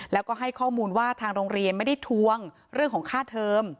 แล้วก็ให้ข้อมูลว่าทางโรงเรียนไม่ได้ทวงเรื่องของค่าเทอม